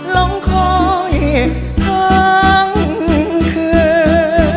ลงคอยทั้งคืน